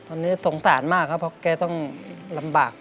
ตอนนี้สงสารมากครับเพราะแกต้องลำบาก